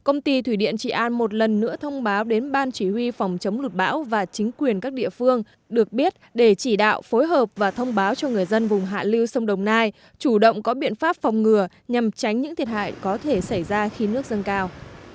công ty thủy điện trị an một lần nữa thông báo đến ban chỉ huy phòng chống lụt bão và chính quyền các địa phương được biết để chỉ đạo phối hợp và thông báo cho người dân vùng hạ lưu sông đồng nai chủ động có biện pháp phòng ngừa nhằm tránh những thiệt hại có thể xảy ra khi nước dâng cao